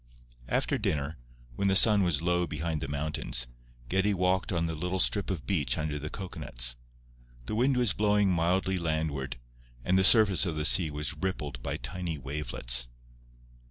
After dinner, when the sun was low behind the mountains, Geddie walked on the little strip of beach under the cocoanuts. The wind was blowing mildly landward, and the surface of the sea was rippled by tiny wavelets.